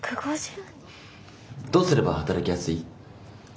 １５０人⁉どうすれば働きやすい？